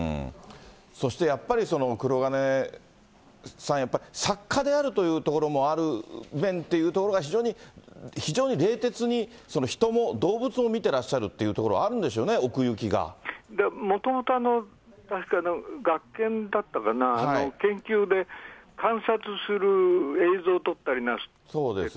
そしてやっぱり、黒鉄さん、やっぱり、作家であるというところもある面というところが、非常に、非常に冷徹に人も動物も見てらっしゃるというところ、あるんでしもともと、確か、学研だったかな、研究で観察する映像を撮ったりなさってて。